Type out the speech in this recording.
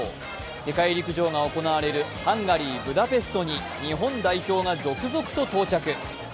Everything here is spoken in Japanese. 世界陸上が行われるハンガリー・ブダペストに日本代表が続々と到着。